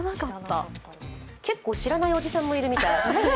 結構知らないおじさんもいるみたい。